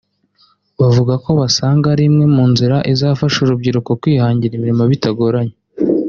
bavuga ko basanga ari imwe mu nzira izafasha urubyiruko kwihangira imirimo bitagoranye